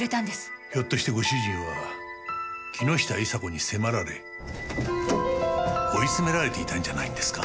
ひょっとしてご主人は木下伊沙子に迫られ追い詰められていたんじゃないんですか？